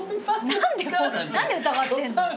何で疑ってんの？